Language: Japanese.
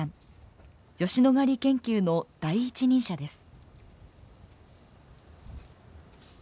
吉野ヶ里研究の第一人者です。